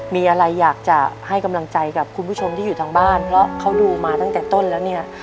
มีอะไรอยากจะให้กำลังใจกับคุณผู้ชมที่อยู่ทางบ้านเพราะเขาดูมาตั้งแต่ต้นแล้วเนี่ย